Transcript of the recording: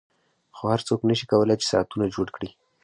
خو هر څوک نشي کولای چې ساعتونه جوړ کړي